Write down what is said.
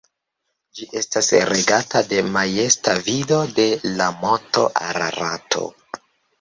Ĝi estas regata de majesta vido de la monto Ararato.